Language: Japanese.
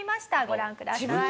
ご覧ください。